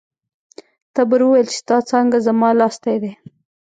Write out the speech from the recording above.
تبر وویل چې ستا څانګه زما لاستی دی.